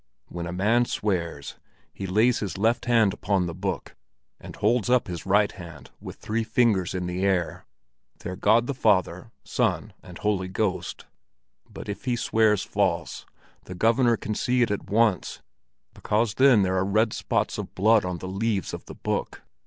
When a man swears, he lays his left hand upon the book, and holds up his right hand with three fingers in the air; they're God the Father, Son and Holy Ghost. But if he swears false, the Governor can see it at once, because then there are red spots of blood on the leaves of the book."